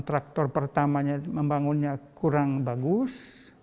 traktor pertamanya membangunnya kurang bagus